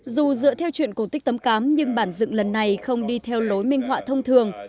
dù dựa theo chuyện cổ tích tấm cám nhưng bản dựng lần này không đi theo lối minh họa thông thường